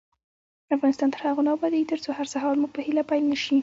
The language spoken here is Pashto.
افغانستان تر هغو نه ابادیږي، ترڅو هر سهار مو په هیله پیل نشي.